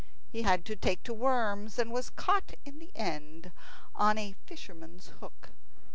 He had to take to worms, and was caught in the end on a fisherman's hook.